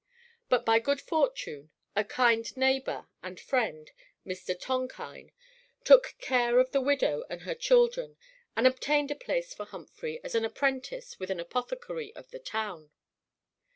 But by good fortune a kind neighbor and friend, a Mr. Tonkine, took care of the widow and her children, and obtained a place for Humphry as an apprentice with an apothecary of the town.